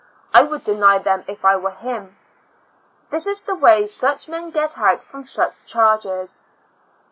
I would deny them if I were him. This is the way such men get out from such charges.